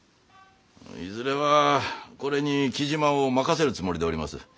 いずれはこれに雉真を任せるつもりでおります。